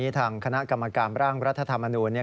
ทางคณะกรรมการร่างรัฐธรรมนูญ